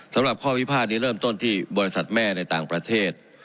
สำหรับข้อวิพาทนี้เริ่มต้นที่บริษัทแม่ในต่างประเทศ